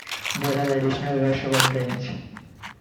There are additional rush-hour trains.